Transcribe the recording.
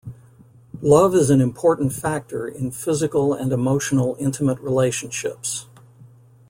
Love is an important factor in physical and emotional intimate relationships.